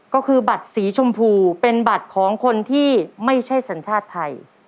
ก็คือบัตรสีชมพูเป็นบัตรของคนที่ไม่ใช่สัญชาติไทย